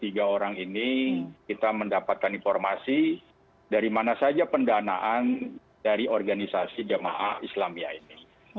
dari pendalaman dua puluh tiga orang ini kita mendapatkan informasi dari mana saja pendanaan dari organisasi jamaah islamia ini